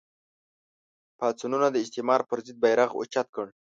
پاڅونونو د استعمار پر ضد بېرغ اوچت کړ